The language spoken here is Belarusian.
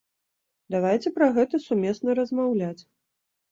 Давайце пра гэта сумесна размаўляць.